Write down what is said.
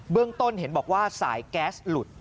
เรื่องต้นเห็นบอกว่าสายแก๊สหลุด